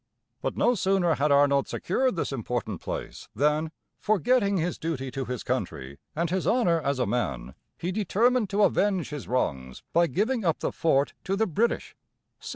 But no sooner had Arnold secured this important place than, forgetting his duty to his country and his honor as a man, he determined to avenge his wrongs by giving up the fort to the British (1780).